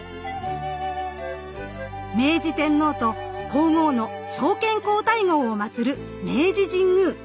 明治天皇と皇后の昭憲皇太后をまつる明治神宮。